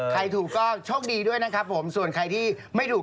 ใครถูกก็โชคดีด้วยนะครับผมส่วนใครที่ไม่ถูก